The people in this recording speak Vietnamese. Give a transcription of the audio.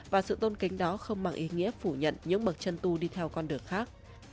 và sự tôn kính đó không bằng ý nghĩa phủ nhận những bậc chân tu đi theo con đường khác